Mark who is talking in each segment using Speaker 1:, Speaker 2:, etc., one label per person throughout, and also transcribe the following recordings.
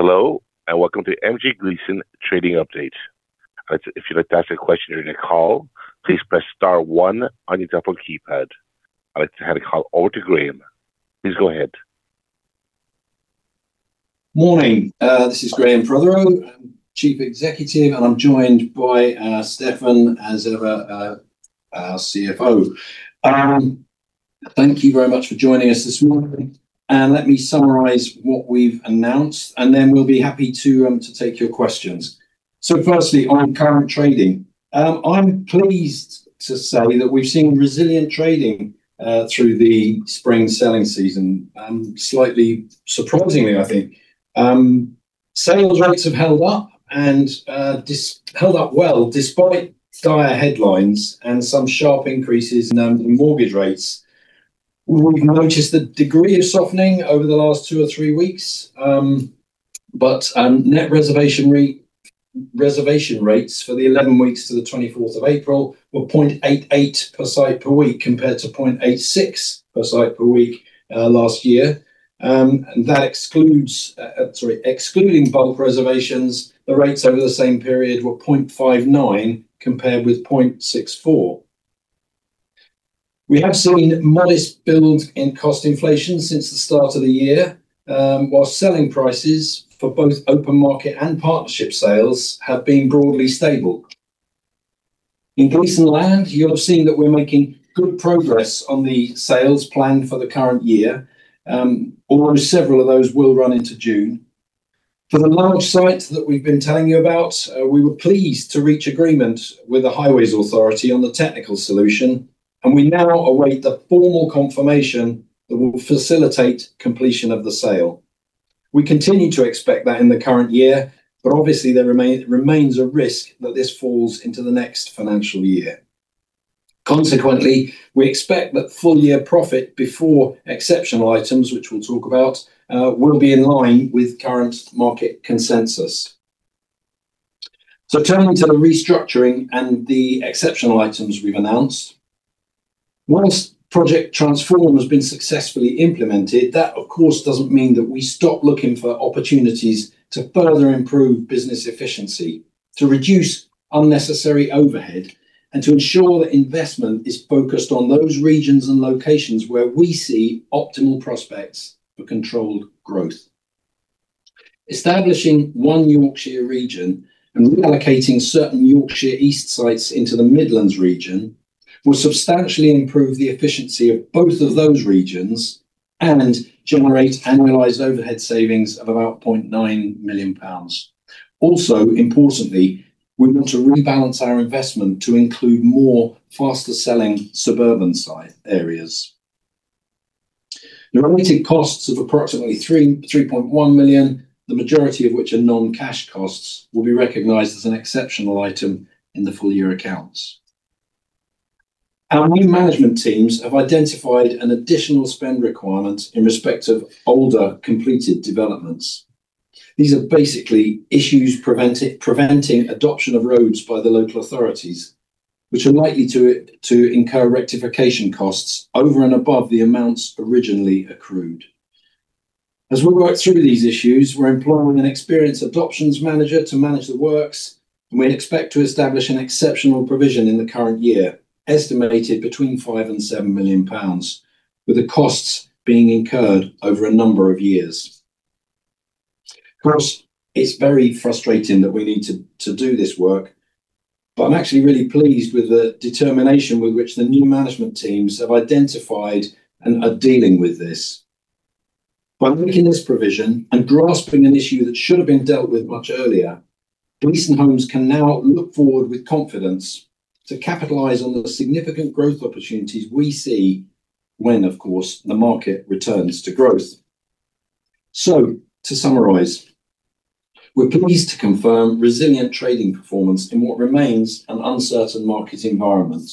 Speaker 1: Hello, welcome to MJ Gleeson trading update. If you'd like to ask a question during the call, please press star one on your telephone keypad. I'd like to hand the call over to Graham. Please go ahead.
Speaker 2: Morning. This is Graham Prothero, Chief Executive, I'm joined by Stefan Allanson, our CFO. Thank you very much for joining us this morning, let me summarize what we've announced, then we'll be happy to take your questions. Firstly, on current trading, I'm pleased to say that we've seen resilient trading through the spring selling season, slightly surprisingly, I think. Sales rates have held up well despite dire headlines and some sharp increases in mortgage rates. We've noticed the degree of softening over the last two or three weeks. But net reservation re-reservation rates for the 11 weeks to the April 24th were 0.88 per site per week compared to 0.86 per site per week last year. That excludes, excluding bulk reservations, the rates over the same period were 0.59 compared with 0.64. We have seen modest build in cost inflation since the start of the year, while selling prices for both open market and partnership sales have been broadly stable. In Gleeson Land, you'll have seen that we're making good progress on the sales planned for the current year. Several of those will run into June. For the large sites that we've been telling you about, we were pleased to reach agreement with the highways authority on the technical solution, we now await the formal confirmation that will facilitate completion of the sale. We continue to expect that in the current year, obviously there remains a risk that this falls into the next financial year. Consequently, we expect that full-year profit before exceptional items, which we'll talk about, will be in line with current market consensus. Turning to the restructuring and the exceptional items we've announced. Once Project Transform has been successfully implemented, that of course doesn't mean that we stop looking for opportunities to further improve business efficiency, to reduce unnecessary overhead, and to ensure that investment is focused on those regions and locations where we see optimal prospects for controlled growth. Establishing one Yorkshire region and relocating certain Yorkshire East sites into the Midlands region will substantially improve the efficiency of both of those regions and generate annualized overhead savings of about 0.9 million pounds. Also, importantly, we want to rebalance our investment to include more faster-selling suburban areas. The related costs of approximately 3.1 million, the majority of which are non-cash costs, will be recognized as an exceptional item in the full-year accounts. Our new management teams have identified an additional spend requirement in respect of older completed developments. These are basically issues preventing adoption of roads by the local authorities, which are likely to incur rectification costs over and above the amounts originally accrued. As we work through these issues, we're employing an experienced adoptions manager to manage the works. We expect to establish an exceptional provision in the current year, estimated between 5 million-7 million pounds, with the costs being incurred over a number of years. Of course, it's very frustrating that we need to do this work. I'm actually really pleased with the determination with which the new management teams have identified and are dealing with this. By making this provision and grasping an issue that should have been dealt with much earlier, Gleeson Homes can now look forward with confidence to capitalize on the significant growth opportunities we see when, of course, the market returns to growth. To summarize, we're pleased to confirm resilient trading performance in what remains an uncertain market environment.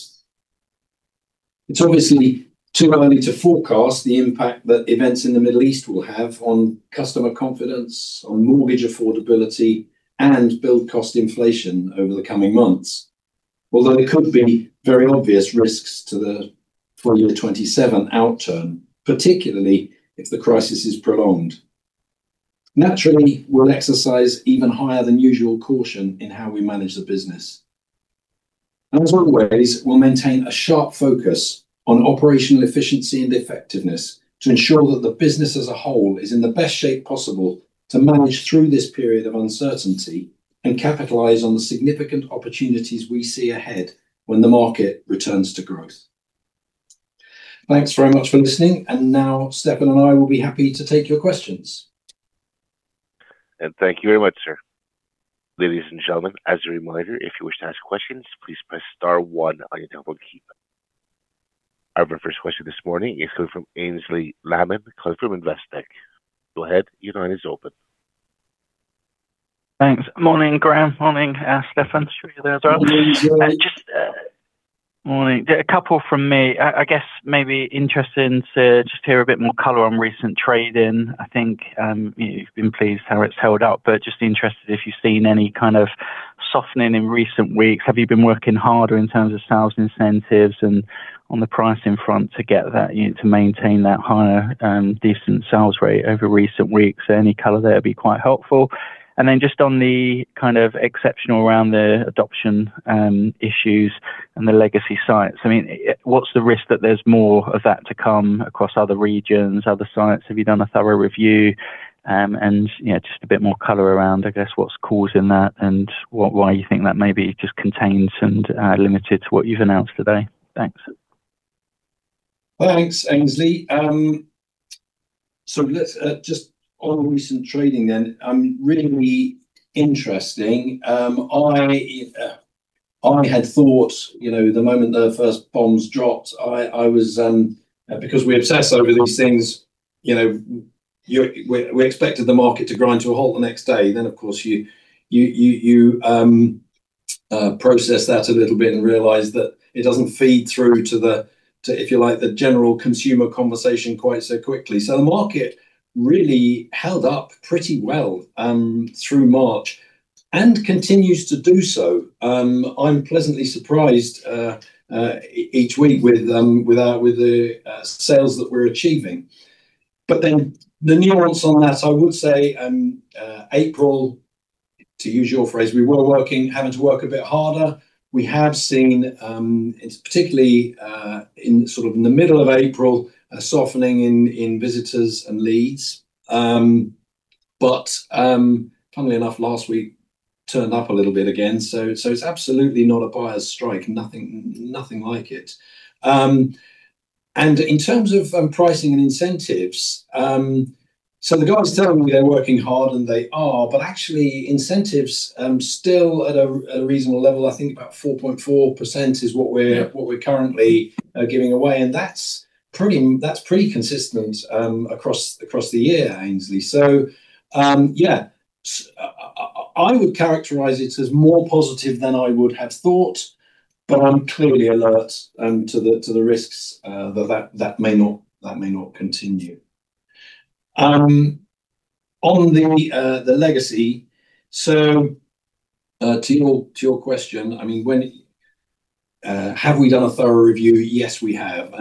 Speaker 2: It's obviously too early to forecast the impact that events in the Middle East will have on customer confidence, on mortgage affordability, and build cost inflation over the coming months. Although there could be very obvious risks to the 2020-2027 outturn, particularly if the crisis is prolonged. Naturally, we'll exercise even higher than usual caution in how we manage the business. As always, we'll maintain a sharp focus on operational efficiency and effectiveness to ensure that the business as a whole is in the best shape possible to manage through this period of uncertainty and capitalize on the significant opportunities we see ahead when the market returns to growth. Thanks very much for listening. Now Stefan and I will be happy to take your questions.
Speaker 1: Thank you very much, sir. Ladies and gentlemen, as a reminder, if you wish to ask questions, please press star one on your telephone keypad. Our very first question this morning is coming from Aynsley Lammin calling from Investec. Go ahead, your line is open.
Speaker 3: Thanks. Morning, Graham. Morning, Stefan. Sure you're there as well.
Speaker 2: Morning. Yeah.
Speaker 3: Morning. Yeah, a couple from me. I guess maybe interested to just hear a bit more color on recent trading. I think, you've been pleased how it's held up, but just interested if you've seen any kind of softening in recent weeks. Have you been working harder in terms of sales incentives and on the pricing front to get that, you know, to maintain that higher, decent sales rate over recent weeks? Any color there would be quite helpful. Just on the kind of exceptional around the adoption issues and the legacy sites, I mean, what's the risk that there's more of that to come across other regions, other sites? Have you done a thorough review? You know, just a bit more color around, I guess, what's causing that and what, why you think that maybe just contained and limited to what you've announced today. Thanks.
Speaker 2: Thanks, Aynsley. Let's just on recent trading then, really interesting. I had thought, you know, the moment the first bombs dropped, I was, because we obsess over these things, you know, we expected the market to grind to a halt the next day. Of course, you process that a little bit and realize that it doesn't feed through to, if you like, the general consumer conversation quite so quickly. The market really held up pretty well through March and continues to do so. I'm pleasantly surprised each week with the sales that we're achieving. The nuance on that, I would say, April, to use your phrase, we were having to work a bit harder. We have seen, it's particularly in sort of in the middle of April, a softening in visitors and leads. Funnily enough, last week turned up a little bit again. It's absolutely not a buyer's strike, nothing like it. In terms of pricing and incentives, the guys tell me they're working hard, and they are. Actually, incentives still at a reasonable level. I think about 4.4% is what we're-
Speaker 3: Yeah....
Speaker 2: what we're currently giving away. That's pretty consistent across the year, Aynsley. I would characterize it as more positive than I would have thought, but I'm clearly alert to the risks that may not continue. On the legacy, to your question, I mean, when have we done a thorough review? Yes, we have.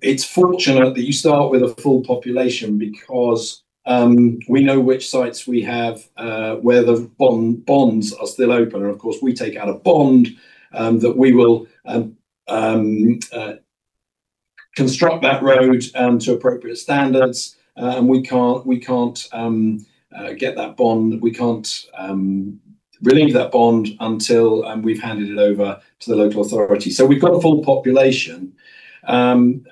Speaker 2: It's fortunate that you start with a full population because we know which sites we have where the bonds are still open. Of course, we take out a bond that we will construct that road to appropriate standards. We can't get that bond, we can't relieve that bond until we've handed it over to the local authority. We've got a full population. Typically,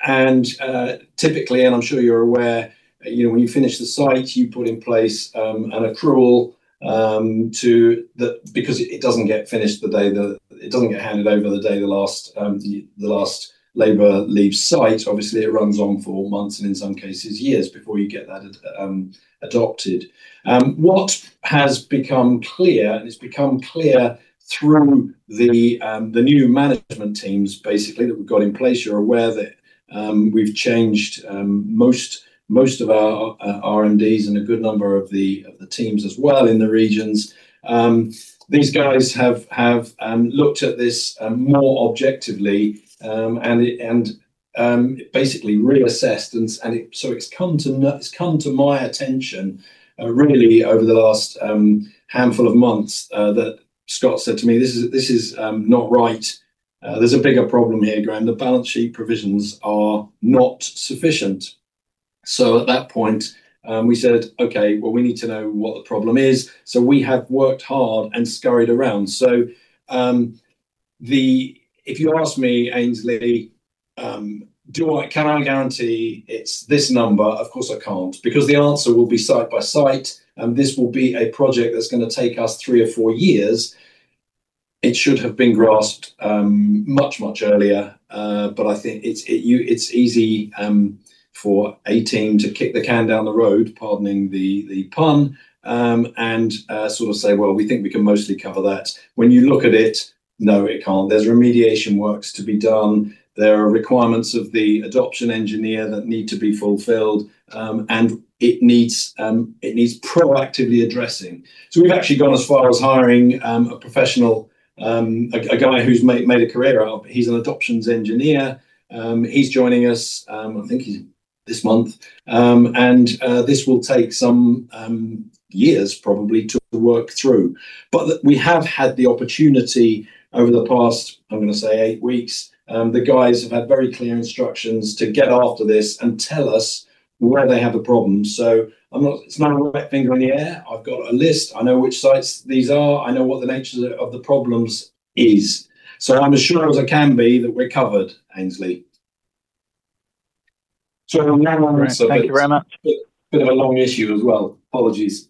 Speaker 2: and I'm sure you're aware, you know, when you finish the site, you put in place an accrual because it doesn't get finished the day the last labor leaves site. Obviously, it runs on for months and in some cases years before you get that adopted. What has become clear, and it's become clear through the new management teams basically that we've got in place, you're aware that we've changed most of our RMDs and a good number of the teams as well in the regions. These guys have looked at this more objectively and basically reassessed. It's come to my attention really over the last handful of months that Scott said to me, "This is not right. There's a bigger problem here, Graham. The balance sheet provisions are not sufficient." At that point, we said, "Okay. Well, we need to know what the problem is." We have worked hard and scurried around. If you ask me, Aynsley, do I, can I guarantee it's this number? Of course, I can't, because the answer will be site by site, and this will be a project that's going to take us three or four years. It should have been grasped much, much earlier. I think it's, it, you, it's easy for a team to kick the can down the road, pardoning the pun, and sort of say, "Well, we think we can mostly cover that." When you look at it, no, it can't. There's remediation works to be done. There are requirements of the adoption engineer that need to be fulfilled. It needs proactively addressing. We've actually gone as far as hiring a professional, a guy who's made a career out of it. He's an adoptions engineer. He's joining us this month. This will take some years probably to work through. The, we have had the opportunity over the past, I'm gonna say eight weeks, the guys have had very clear instructions to get after this and tell us where they have the problems. I'm not, it's not a wet finger in the air. I've got a list. I know which sites these are. I know what the nature of the, of the problems is. I'm as sure as I can be that we're covered, Aynsley.
Speaker 3: No, no. Thank you very much.
Speaker 2: Bit of a long issue as well. Apologies.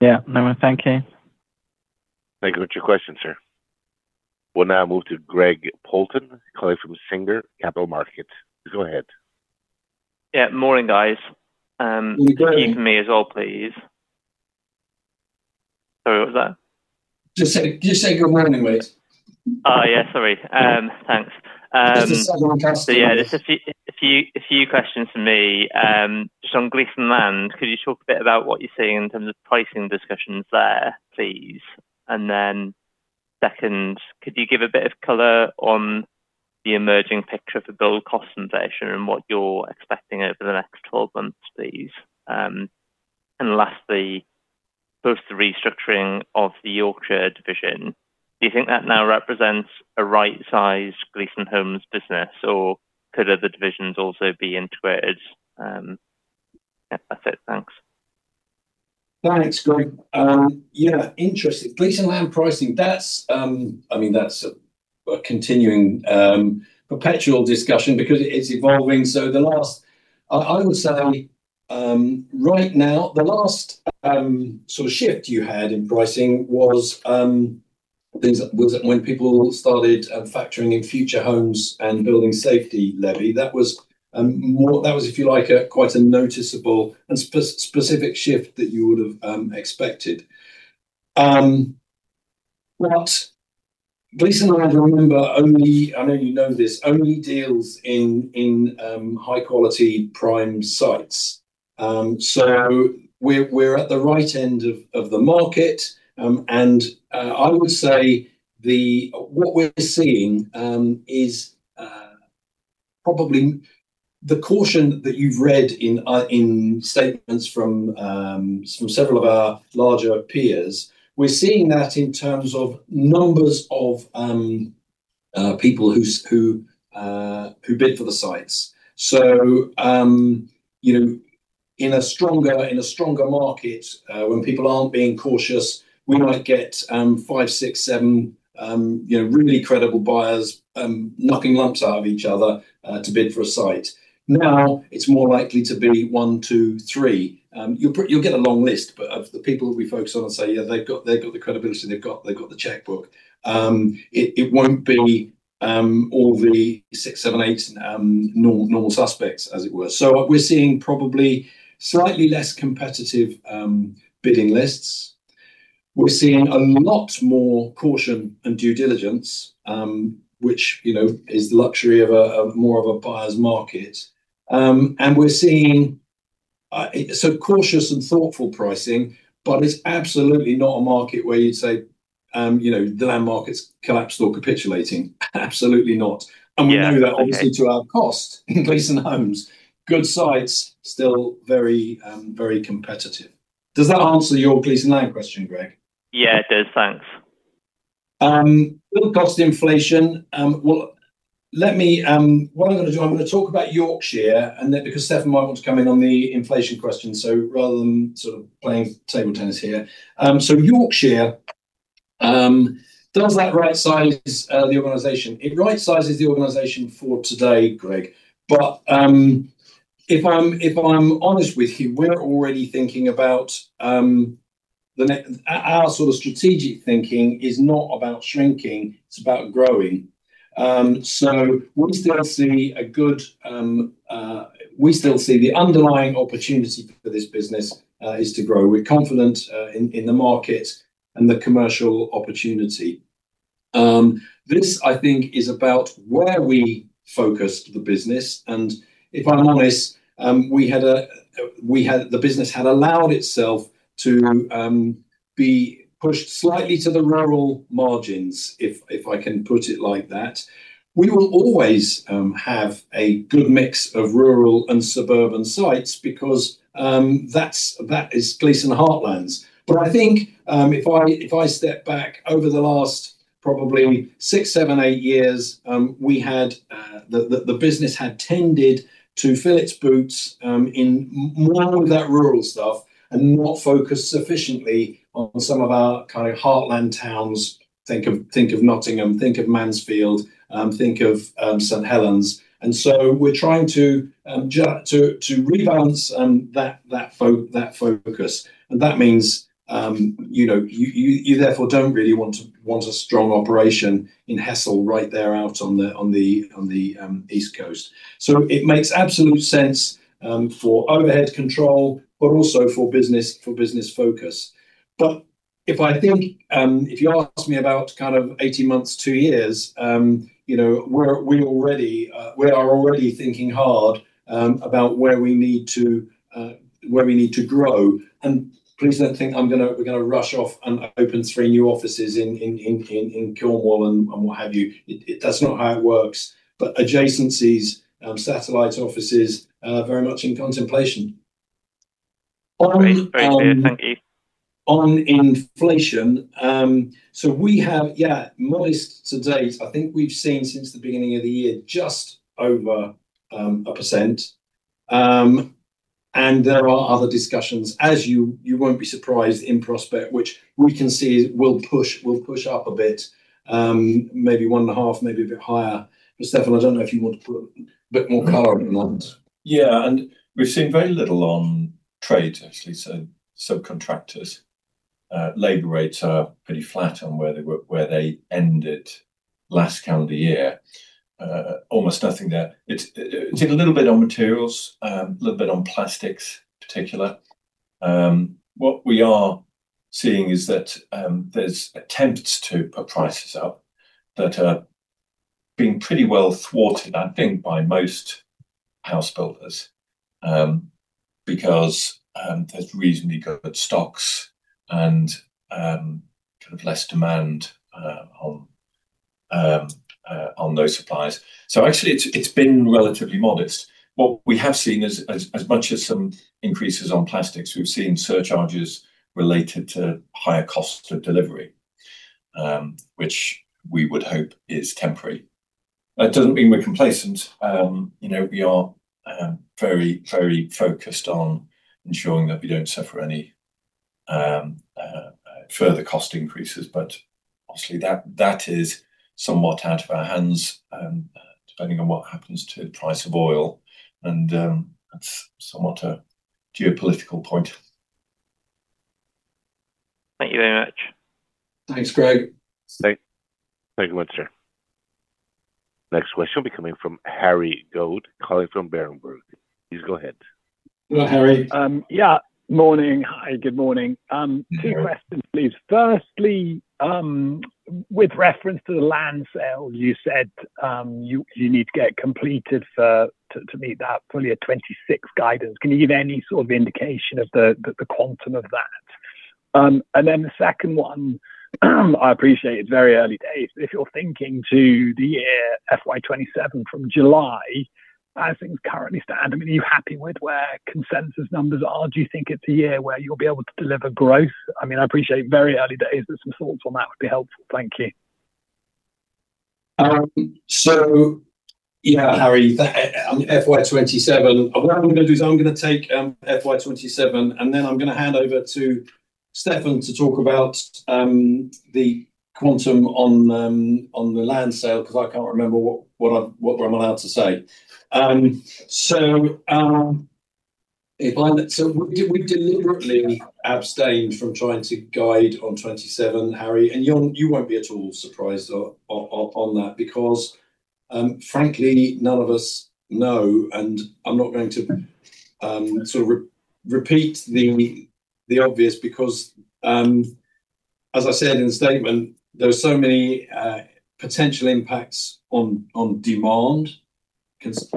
Speaker 3: Yeah. No, thank you.
Speaker 1: Thank you for your question, sir. We'll now move to Greg Poulton, calling from Singer Capital Markets. Go ahead.
Speaker 4: Yeah, morning, guys.
Speaker 2: Good morning.
Speaker 4: Can you hear me as well, please? Sorry, what was that?
Speaker 2: Just say good morning, please.
Speaker 4: Oh, yeah. Sorry. Thanks.
Speaker 2: There's a second question.
Speaker 4: Yeah, there's a few questions from me. Just on Gleeson Land, could you talk a bit about what you're seeing in terms of pricing discussions there, please? Second, could you give a bit of color on the emerging picture for build cost inflation and what you're expecting over the next 12 months, please? Lastly, post the restructuring of the Yorkshire division, do you think that now represents a right size Gleeson Homes business, or could other divisions also be into it as? Yeah, that's it. Thanks.
Speaker 2: Thanks, Greg. Yeah, interesting. Gleeson Land pricing, that's, I mean that's a continuing perpetual discussion because it's evolving. I would say, right now, the last sort of shift you had in pricing was things that, was it when people started factoring in Future Homes and Building Safety Levy. That was more, that was, if you like, a quite a noticeable and specific shift that you would've expected. Gleeson Land, remember, only, I know you know this, only deals in high-quality prime sites. We're at the right end of the market. I would say what we're seeing is probably the caution that you've read in statements from several of our larger peers. We're seeing that in terms of numbers of people who bid for the sites. You know, in a stronger market, when people aren't being cautious, we might get five, six, seven, you know, really credible buyers knocking lumps out of each other to bid for a site. Now it's more likely to be one, two, three. You'll get a long list, but of the people that we focus on and say, "Yeah, they've got the credibility, they've got the checkbook," it won't be all the six, seven, eight normal suspects, as it were. What we're seeing probably slightly less competitive bidding lists. We're seeing a lot more caution and due diligence, which, you know, is the luxury of more of a buyer's market. And we're seeing so cautious and thoughtful pricing, but it's absolutely not a market where you'd say, you know, the land market's collapsed or capitulating. Absolutely not.
Speaker 4: Yeah. Okay.
Speaker 2: We know that obviously to our cost in Gleeson Homes. Good sites still very, very competitive. Does that answer your Gleeson Land question, Greg?
Speaker 4: Yeah, it does. Thanks.
Speaker 2: Build cost inflation. Well, let me, what I'm gonna do, I'm gonna talk about Yorkshire and then, because Stefan might want to come in on the inflation question, so rather than sort of playing table tennis here. Yorkshire, does that right size the organization? It right sizes the organization for today, Greg. If I'm honest with you, we're already thinking about our sort of strategic thinking is not about shrinking, it's about growing. We still see a good, we still see the underlying opportunity for this business is to grow. We're confident in the market and the commercial opportunity. This I think is about where we focused the business, and if I'm honest, the business had allowed itself to be pushed slightly to the rural margins, if I can put it like that. We will always have a good mix of rural and suburban sites because that is Gleeson heartlands. I think, if I step back over the last probably six, seven, eight years, the business had tended to fill its boots in more of that rural stuff and not focus sufficiently on some of our kind of heartland towns. Think of Nottingham, think of Mansfield, think of St Helens. We're trying to rebalance that focus. That means, you know, you therefore don't really want a strong operation in Hessle right there out on the, on the, on the east coast. It makes absolute sense for overhead control, but also for business focus. If I think, if you ask me about kind of 18 months, two years, you know, we are already thinking hard about where we need to grow. Please don't think we're gonna rush off and open three new offices in Cornwall and what have you. That's not how it works. Adjacencies, satellite offices are very much in contemplation.
Speaker 4: Great. Very clear. Thank you.
Speaker 2: On inflation, we have, yeah, modest to date. I think we've seen since the beginning of the year just over 1%. There are other discussions, as you won't be surprised in prospect, which we can see will push, will push up a bit, maybe 1.5%, maybe a bit higher. Stefan, I don't know if you want to put a bit more color on that.
Speaker 5: Yeah. We've seen very little on trade actually, so subcontractors. Labor rates are pretty flat on where they were, where they ended last calendar year. Almost nothing there. It's, we've seen a little bit on materials, a little bit on plastics particular. What we are seeing is that, there's attempts to put prices up that are being pretty well thwarted, I think, by most house builders, because there's reasonably good stocks and kind of less demand on those supplies. Actually it's been relatively modest. What we have seen as much as some increases on plastics, we've seen surcharges related to higher costs of delivery, which we would hope is temporary. That doesn't mean we're complacent. You know, we are very, very focused on ensuring that we don't suffer any further cost increases, but obviously that is somewhat out of our hands, depending on what happens to price of oil and that's somewhat a geopolitical point.
Speaker 4: Thank you very much.
Speaker 2: Thanks, Greg.
Speaker 1: Thank you so much sir. Next question will be coming from Harry Goad calling from Berenberg. Please go ahead.
Speaker 2: Hello, Harry.
Speaker 6: Yeah. Morning. Hi, good morning-
Speaker 2: Morning...
Speaker 6: two questions, please. Firstly, with reference to the land sale, you said, you need to get completed for, to meet that full year 2026 guidance. Can you give any sort of indication of the, the quantum of that? Then the second one, I appreciate it's very early days, but if you're thinking to the year FY 2027 from July, as things currently stand, I mean, are you happy with where consensus numbers are? Do you think it's a year where you'll be able to deliver growth? I mean, I appreciate very early days, but some thoughts on that would be helpful. Thank you.
Speaker 2: Harry, FY 2027. What I'm going to do is I'm going to take FY 2027 and then I'm going to hand over to Stefan to talk about the quantum on the land sale 'cause I can't remember what I'm allowed to say. We deliberately abstained from trying to guide on 2027, Harry, and you won't be at all surprised on that because frankly, none of us know, and I'm not going to sort of repeat the obvious because as I said in the statement, there are so many potential impacts on demand,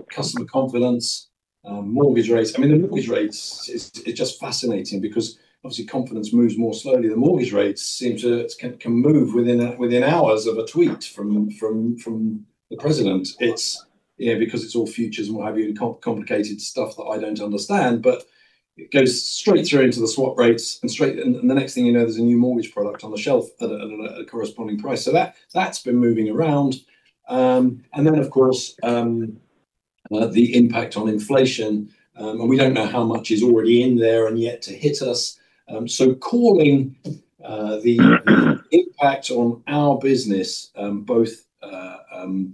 Speaker 2: customer confidence, mortgage rates. I mean, the mortgage rates is just fascinating because obviously confidence moves more slowly. The mortgage rates seem to can move within a, within hours of a tweet from the president. It's, you know, because it's all futures and what have you, complicated stuff that I don't understand, but it goes straight through into the swap rates and straight. The next thing you know, there's a new mortgage product on the shelf at a corresponding price. That's been moving around. Then of course, the impact on inflation. We don't know how much is already in there and yet to hit us. Calling the impact on our business, both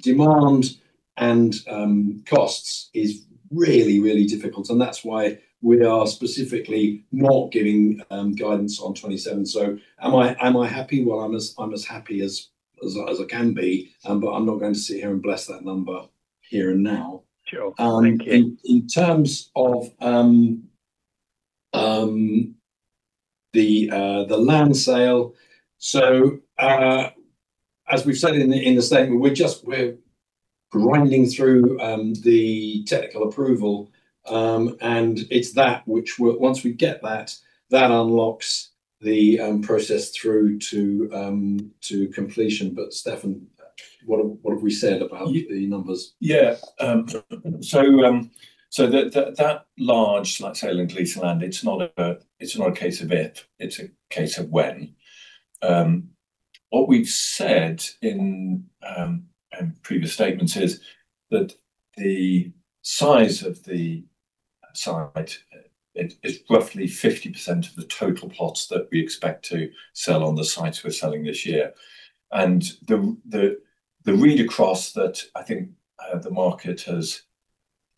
Speaker 2: demand and costs is really, really difficult and that's why we are specifically not giving guidance on 2027. Am I happy? Well, I'm as happy as I can be, I'm not going to sit here and bless that number here and now.
Speaker 6: Sure. Thank you.
Speaker 2: In terms of the land sale, as we've said in the statement, we're just grinding through the technical approval, and it's that which once we get that unlocks the process through to completion. Stefan, what have we said about the numbers?
Speaker 5: That large land sale in Gleeson Land, it's not a case of if, it's a case of when. What we've said in previous statements is that the size of the site, it's roughly 50% of the total plots that we expect to sell on the sites we're selling this year. The read across that I think the market has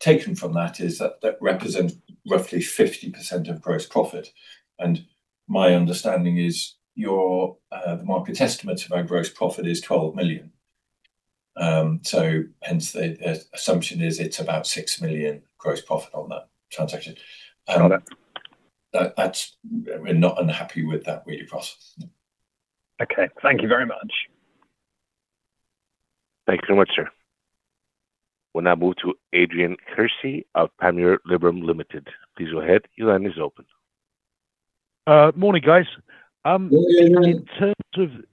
Speaker 5: taken from that is that represents roughly 50% of gross profit, and my understanding is your the market's estimate of our gross profit is 12 million. Hence the assumption is it's about 6 million gross profit on that transaction.
Speaker 6: Got it.
Speaker 5: That's, we're not unhappy with that read across.
Speaker 6: Okay. Thank you very much.
Speaker 1: Thank you so much, sir. We'll now move to Adrian Kearsey of Panmure Liberum Limited. Please go ahead. Your line is open.
Speaker 7: Morning, guys.
Speaker 2: Morning, Adrian.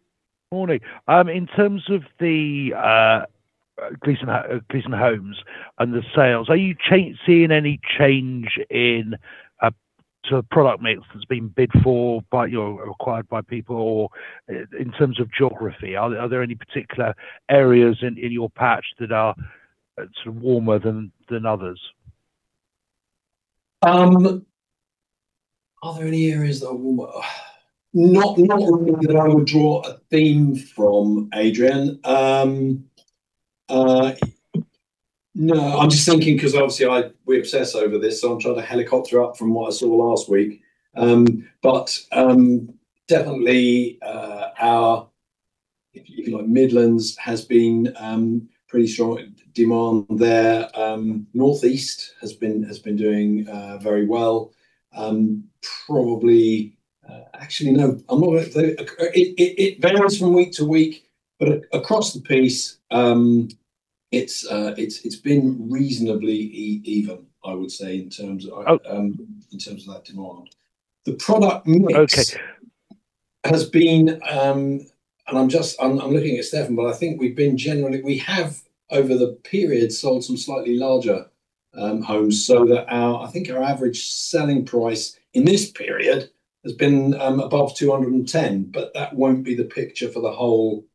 Speaker 7: Morning. In terms of the Gleeson Homes and the sales, are you seeing any change in sort of product mix that's been bid for by your, acquired by people or in terms of geography, are there any particular areas in your patch that are sort of warmer than others?
Speaker 2: Are there any areas that are warmer? Not really that I would draw a theme from, Adrian. No, I'm just thinking 'cause obviously I, we obsess over this, so I'm trying to helicopter up from what I saw last week. Definitely, If you like Midlands has been pretty strong demand there. North East has been doing very well. Probably, actually, no, I'm not. It varies from week-to-week. Across the piece, it's been reasonably even, I would say, in terms of-
Speaker 7: Oh.
Speaker 2: ...in terms of that demand-
Speaker 7: Okay.
Speaker 2: ...has been. I'm just looking at Stefan, but I think we've been generally, we have over the period sold some slightly larger homes so that our, I think our average selling price in this period has been above 210. That won't be the picture for the whole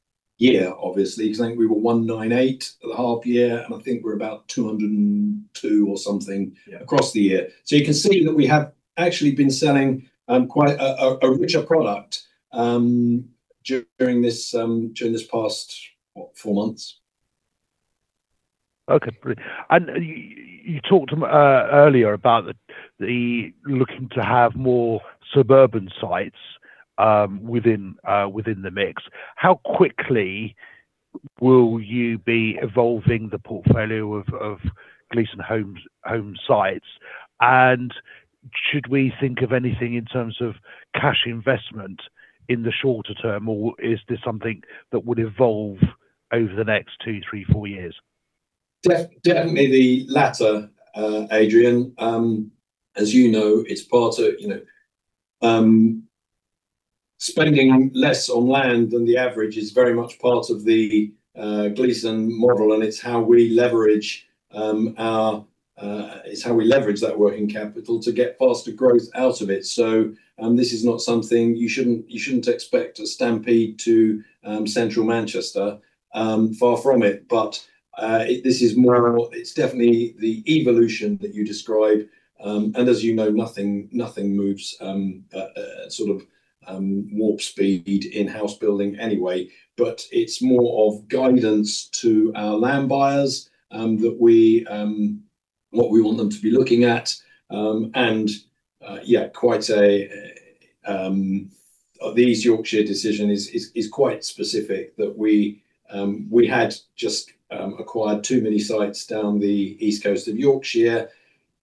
Speaker 2: year, obviously, because I think we were 198 at the half year, and I think we're about 202 or something-
Speaker 7: Yeah....
Speaker 2: across the year. You can see that we have actually been selling, quite a richer product, during this, during this past, what, four months.
Speaker 7: Okay. Brilliant. You talked earlier about the looking to have more suburban sites within the mix. How quickly will you be evolving the portfolio of Gleeson Homes sites? Should we think of anything in terms of cash investment in the shorter term, or is this something that would evolve over the next two, three, four years?
Speaker 2: Definitely the latter, Adrian. As you know, it's part of, you know. Spending less on land than the average is very much part of the Gleeson model, and it's how we leverage our, it's how we leverage that working capital to get faster growth out of it. This is not something you shouldn't expect a stampede to Central Manchester. Far from it, this is more, it's definitely the evolution that you describe. As you know, nothing moves sort of, warp speed in house building anyway. It's more of guidance to our land buyers that we what we want them to be looking at. The East Yorkshire decision is quite specific that we had just acquired too many sites down the east coast of Yorkshire.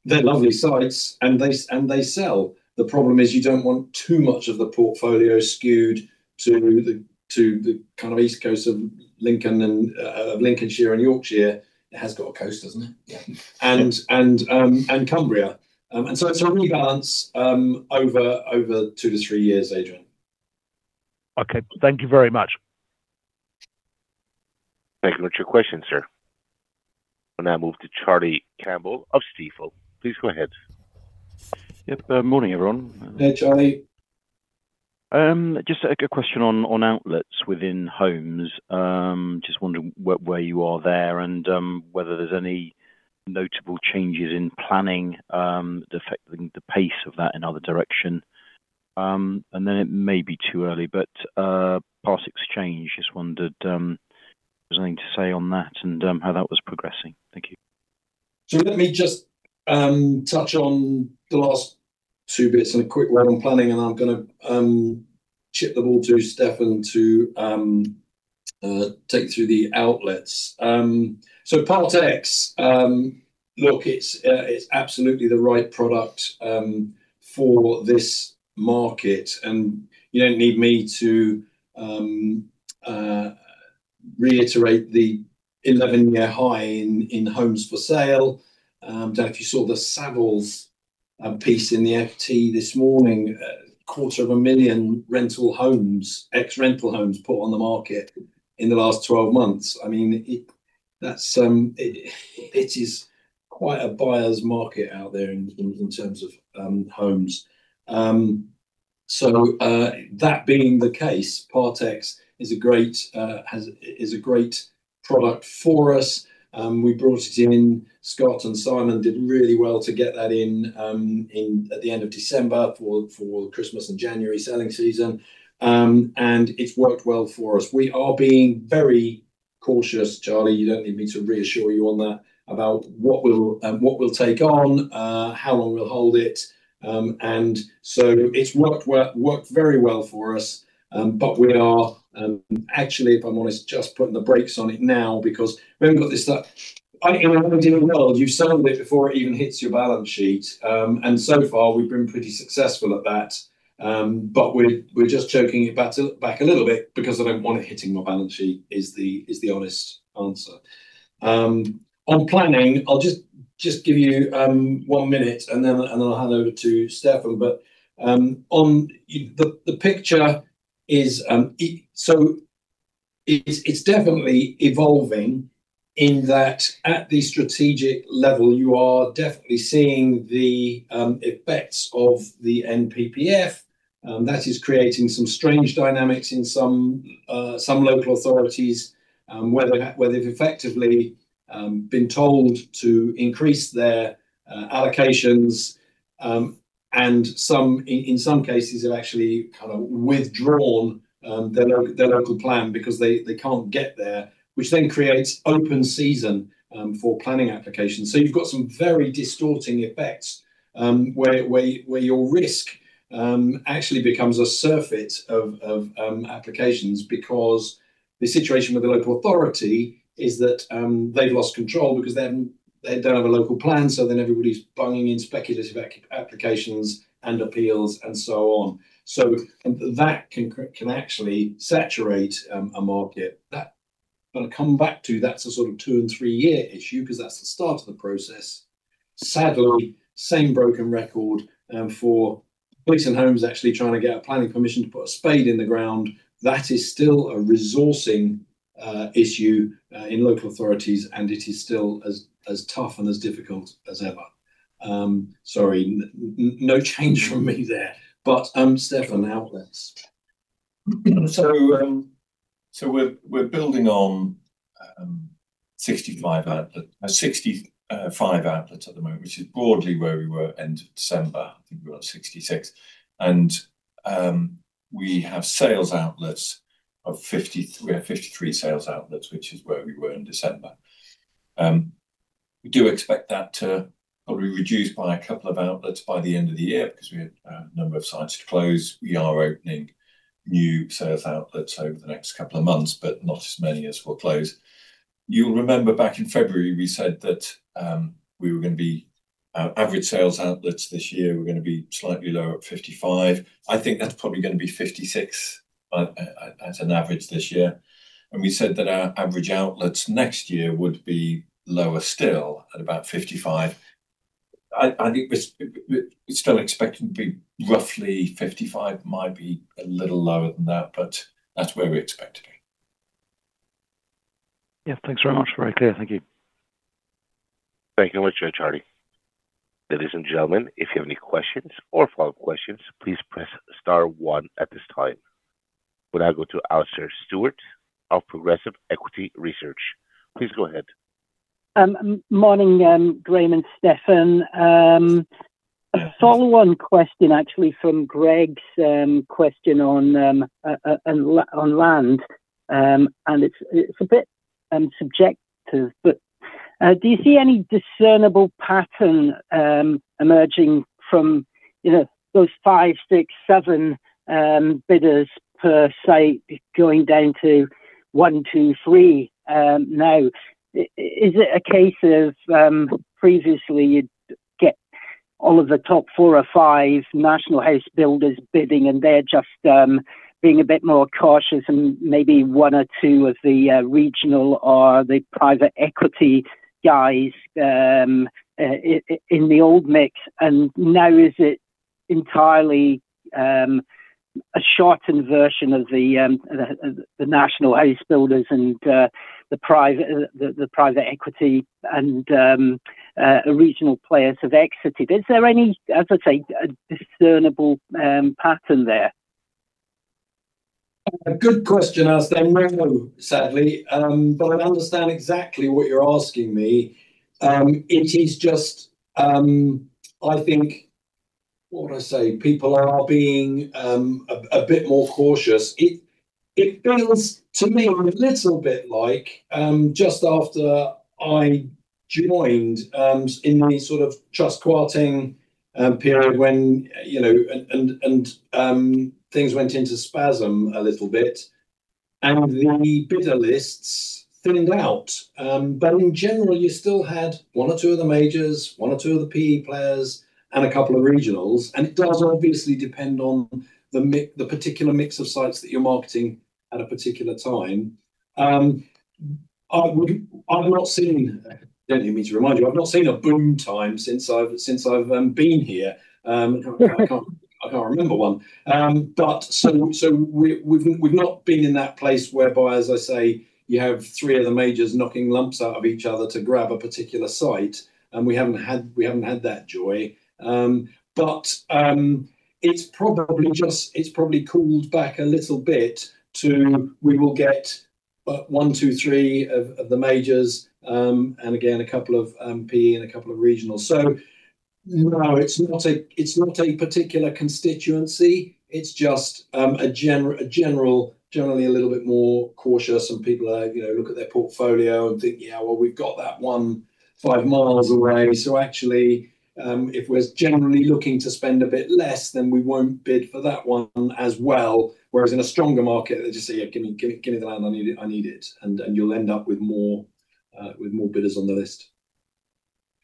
Speaker 2: They're lovely sites, and they sell. The problem is you don't want too much of the portfolio skewed to the kind of east coast of Lincoln and of Lincolnshire and Yorkshire. It has got a coast, hasn't it?
Speaker 7: Yeah.
Speaker 2: Cumbria. It's a rebalance, over two to three years, Adrian.
Speaker 7: Okay. Thank you very much.
Speaker 1: Thank you. That's your question, sir. We'll now move to Charlie Campbell of Stifel. Please go ahead.
Speaker 8: Yep. Good morning, everyone.
Speaker 2: Hey, Charlie.
Speaker 8: Just a question on outlets within homes. Just wondering where you are there, and whether there's any notable changes in planning affecting the pace of that in other direction. It may be too early, but Part Exchange, just wondered if there was anything to say on that and how that was progressing. Thank you.
Speaker 2: Let me just touch on the last two bits in a quick way on planning, and I'm gonna chip the ball to Stefan to take through the outlets. Part Ex, look, it's absolutely the right product for this market, and you don't need me to reiterate the 11-year high in homes for sale. Don't know if you saw the Savills piece in the FT this morning. A quarter of a million rental homes, ex-rental homes put on the market in the last 12 months. I mean, it, that's, it is quite a buyer's market out there in terms, in terms of homes. That being the case, Part Ex is a great, is a great product for us. We brought it in. Scott and Simon did really well to get that in, at the end of December for the Christmas and January selling season. It's worked well for us. We are being very cautious, Charlie, you don't need me to reassure you on that, about what we'll, what we'll take on, how long we'll hold it. It's worked very well for us. We are, actually, if I'm honest, just putting the brakes on it now because we haven't got this stuff. I, you know, I want to do well. You've sold it before it even hits your balance sheet. So far we've been pretty successful at that. We're just choking it back a little bit because I don't want it hitting my balance sheet, is the honest answer. On planning, I'll just give you one minute, and then I'll hand over to Stefan. The picture is, it's definitely evolving in that at the strategic level you are definitely seeing the effects of the NPPF, that is creating some strange dynamics in some local authorities, where they've effectively been told to increase their allocations. In some cases have actually kind of withdrawn their local plan because they can't get there, which then creates open season for planning applications. You've got some very distorting effects, where your risk actually becomes a surfeit of applications because the situation with the local authority is that They don't have a local plan, everybody's bunging in speculative applications and appeals and so on. That can actually saturate a market. That, gonna come back to, that's a sort of two and three year issue because that's the start of the process. Sadly, same broken record, for Gleeson Homes actually trying to get a planning permission to put a spade in the ground. That is still a resourcing issue in local authorities, and it is still as tough and as difficult as ever. Sorry, no change from me there. Stefan, outlets.
Speaker 5: We're building on 65 outlets at the moment, which is broadly where we were end of December. I think we were at 66. We have sales outlets of 53, or 53 sales outlets, which is where we were in December. We do expect that to probably reduce by a couple of outlets by the end of the year because we had a number of sites to close. We are opening new sales outlets over the next couple of months, but not as many as we're closing. You'll remember back in February we said that we were gonna be, our average sales outlets this year were gonna be slightly lower at 55. I think that's probably gonna be 56 at an average this year. We said that our average outlets next year would be lower still at about 55. I think we're still expecting to be roughly 55, might be a little lower than that, but that's where we expect to be.
Speaker 8: Yes. Thanks very much. Very clear. Thank you.
Speaker 1: Thank you very much, Charlie. Ladies and gentlemen, if you have any questions or follow-up questions, please press star one at this time. We'll now go to Alastair Stewart of Progressive Equity Research. Please go ahead.
Speaker 9: Morning, Graham and Stefan. A follow-on question actually from Greg's question on land. It's a bit subjective, but do you see any discernible pattern emerging from, you know, those five, six, seven bidders per site going down to one, two, three now? Is it a case of previously you'd get all of the top four or five national house builders bidding and they're just being a bit more cautious and maybe one or two of the regional or the private equity guys in the old mix, and now is it entirely a shortened version of the national house builders and the private equity and regional players have exited? Is there any, as I say, a discernible pattern there?
Speaker 2: A good question, Alastair. I don't know, sadly. I understand exactly what you're asking me. It is just, people are being a bit more cautious. It feels to me a little bit like just after I joined in the sort of Truss quartering period when, you know, and things went into spasm a little bit and the bidder lists thinned out. In general, you still had one or two of the majors, one or two of the PE players, and a couple of regionals, and it does obviously depend on the particular mix of sites that you're marketing at a particular time. I would, I've not seen, you don't need me to remind you, I've not seen a boom time since I've, since I've been here. In fact, I can't, I can't remember one. We've not been in that place whereby, as I say, you have three of the majors knocking lumps out of each other to grab a particular site, and we haven't had, we haven't had that joy. It's probably just, it's probably cooled back a little bit to we will get one, two, three of the majors, and again, a couple of PE and a couple of regionals. No, it's not a, it's not a particular constituency, it's just a general, generally a little bit more cautious and people are, you know, look at their portfolio and think, "Yeah. We've got that one 5 mi away, so actually, if we're generally looking to spend a bit less, then we won't bid for that one as well." Whereas in a stronger market, they just say, "Yeah. Give me, give me, give me the land. I need it, I need it." You'll end up with more bidders on the list.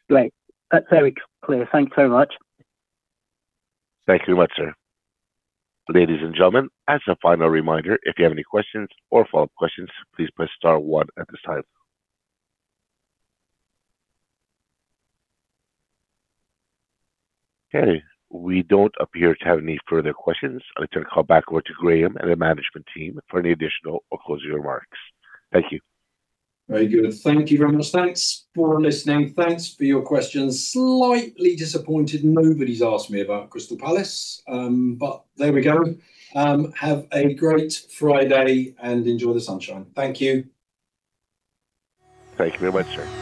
Speaker 9: Great. That's very clear. Thank you so much.
Speaker 1: Thank you very much, sir. Ladies and gentlemen, as a final reminder, if you have any questions or follow-up questions, please press star one at this time. Okay. We don't appear to have any further questions. I'd like to hand call back over to Graham and the management team for any additional or closing remarks. Thank you.
Speaker 2: Very good. Thank you very much. Thanks for listening. Thanks for your questions. Slightly disappointed nobody's asked me about Crystal Palace. There we go. Have a great Friday and enjoy the sunshine. Thank you.
Speaker 1: Thank you very much, sir.